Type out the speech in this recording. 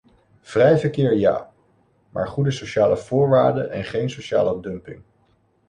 Vrij verkeer - ja, maar goede sociale voorwaarden en geen sociale dumping.